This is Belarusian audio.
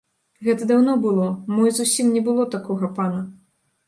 Гэта даўно было, мо і зусім не было такога пана.